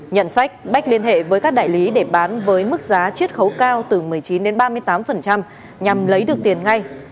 nhận sách bách liên hệ với các đại lý để bán với mức giá chiết khấu cao từ một mươi chín đến ba mươi tám nhằm lấy được tiền ngay